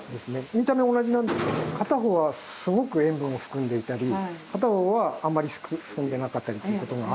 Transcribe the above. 見た目は同じなんですけど片方はすごく塩分を含んでいたり片方はあんまり進んでなかったりということがあって。